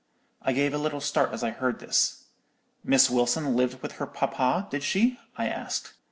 "I gave a little start as I heard this. "'Miss Wilson lived with her papa, did she?' I asked.